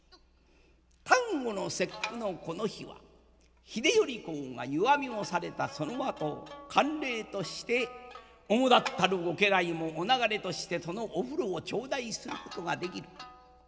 端午の節句のこの日は秀頼公が湯あみをされたそのあと慣例としておもだったる御家来もお流れとしてそのお風呂を頂戴することができる。